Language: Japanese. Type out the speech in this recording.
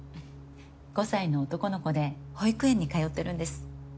５歳の男の子で保育園に通ってるんです。